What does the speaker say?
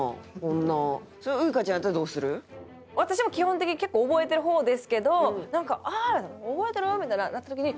私も基本的に結構覚えてる方ですけど「あっ覚えてる？」みたいになった時に。